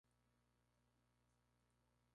Es un pez de mar y de de clima subtropical y demersal.